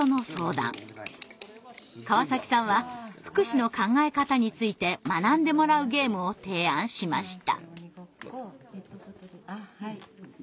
川崎さんは福祉の考え方について学んでもらうゲームを提案しました。